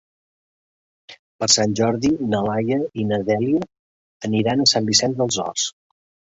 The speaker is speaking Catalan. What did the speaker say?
Per Sant Jordi na Laia i na Dèlia aniran a Sant Vicenç dels Horts.